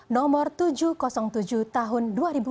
nomor tujuh ratus tujuh tahun dua ribu delapan belas